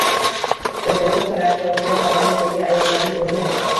O‘zbekiston taraqqiyotida parlamentdagi ayollarning o‘rni